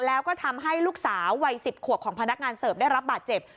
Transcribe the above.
แล้วก็ทำให้ลูกสาววัย๑๐ขวบของพนักงานเสิร์ฟได้รับบาดเจ็บ